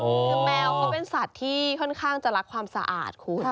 คือแมวเขาเป็นสัตว์ที่ค่อนข้างจะรักความสะอาดคุณ